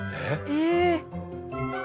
え？